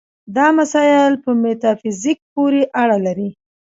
دا مسایل په میتافیزیک پورې اړه لري.